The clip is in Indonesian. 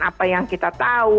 apa yang kita tahu